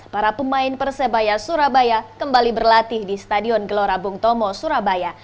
para pemain persebaya surabaya kembali berlatih di stadion gelora bung tomo surabaya